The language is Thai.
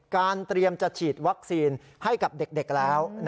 เตรียมจะฉีดวัคซีนให้กับเด็กแล้ว